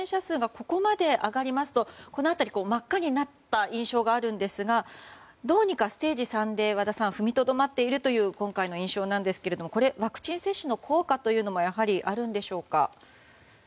ここまで上がりますとこの辺り、真っ赤になった印象があるんですが和田さん、どうにかステージ３で踏みとどまっているという今回の印象なんですがこれはワクチン接種の効果もやはりあるんでしょうか。